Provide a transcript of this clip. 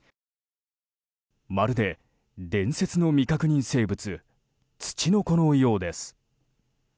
まるで、伝説の未確認生物ツチノコのようです。